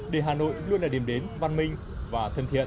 để hà nội luôn là điểm đến văn minh và thân thiện